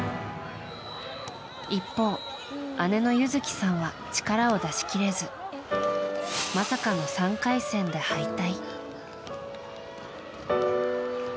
一方、姉の優月さんは力を出し切れずまさかの３回戦で敗退。